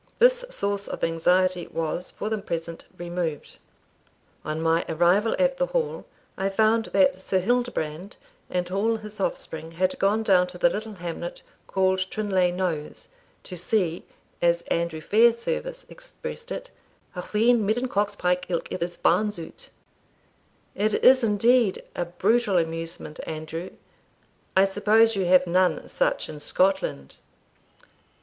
This source of anxiety was for the present removed. On my arrival at the Hall I found that Sir Hildebrand and all his offspring had gone down to the little hamlet, called Trinlay knowes, "to see," as Andrew Fairservice expressed it, "a wheen midden cocks pike ilk ither's barns out." "It is indeed a brutal amusement, Andrew; I suppose you have none such in Scotland?"